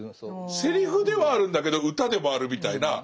セリフではあるんだけど歌でもあるみたいな。